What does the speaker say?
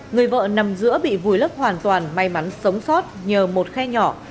người vợ nằm giữa bị vùi lấp hoàn toàn may mắn sống sót nhờ một khe nhỏ